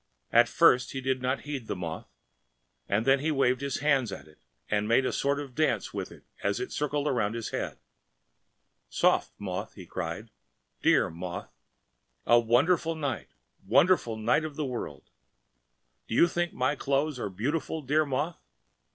At first he did not heed the moth, and then he waved his hands at it and made a sort of dance with it as it circled round his head. “Soft moth!‚ÄĚ he cried, “dear moth! And wonderful night, wonderful night of the world! Do you think my clothes are beautiful, dear moth?